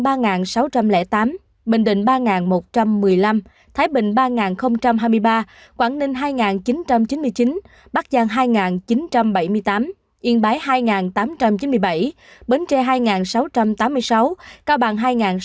bình định ba một trăm một mươi năm thái bình ba hai mươi ba quảng ninh hai chín trăm chín mươi chín bắc giang hai chín trăm bảy mươi tám yên bái hai tám trăm chín mươi bảy bến tre hai sáu trăm tám mươi sáu cao bằng hai sáu mươi